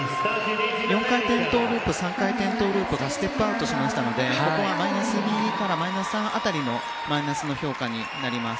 ４回転トウループ３回転トウループがステップアウトしましたのでここはマイナス２からマイナス３辺りのマイナスの評価になります。